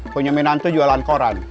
punya minantu jualan koran